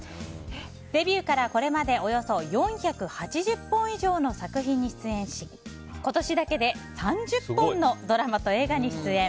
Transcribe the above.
デビューからこれまでおよそ４８０本以上の作品に出演し今年だけで３０本のドラマと映画に出演。